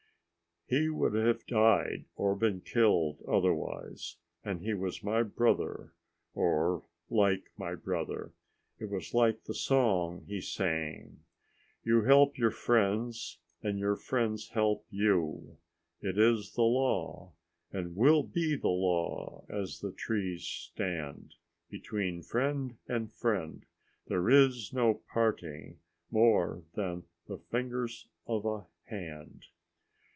"He would have died or been killed otherwise, and he was my brother, or like my brother. It was like the song he sang: "You help your friends And your friends help you. It is the law And will be the law as the trees stand. Between friend and friend there is no parting More than the fingers of a hand."